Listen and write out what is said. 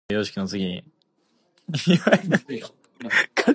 These vaults are deep holes under the entrance to the structure.